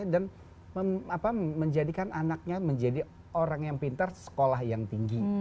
dan apa menjadikan anaknya menjadi orang yang pintar sekolah yang tinggi